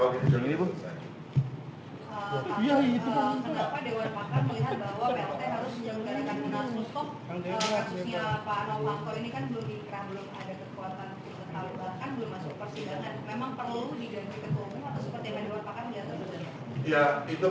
pak dewan pakar melihat bahwa bat harus menjalankan kemenangan sosok